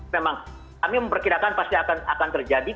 memang kami memperkirakan pasti akan terjadi